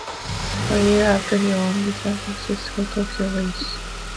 The year after, he won the San Francisco-Tokyo race.